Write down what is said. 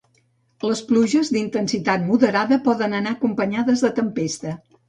Les pluges, d’intensitat moderada, poden anar acompanyades de tempesta.